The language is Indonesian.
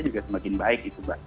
juga semakin baik